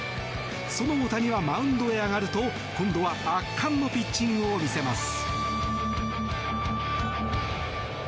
その大谷はマウンドへ上がると今度は圧巻のピッチングを見せます。